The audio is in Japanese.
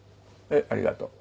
ありがとう。